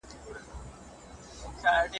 مه بدلوئ.